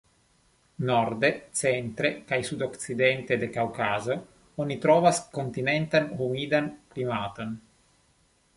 Norde, centre kaj sudokcidente de Kaŭkazo oni trovas kontinentan humidan klimaton.